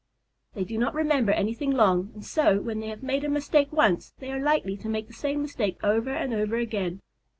They do not remember anything long, and so, when they have made a mistake once, they are likely to make the same mistake over and over again.